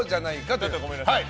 ちょっとごめんなさい。